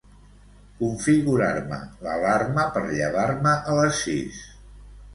Configurar-me l'alarma per llevar-me a les sis.